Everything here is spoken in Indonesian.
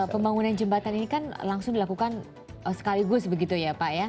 pembangunan jembatan ini kan langsung dilakukan sekaligus begitu ya pak ya